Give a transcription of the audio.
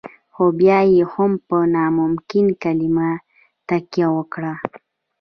خو بيا يې هم پر ناممکن کلمه تکيه وکړه.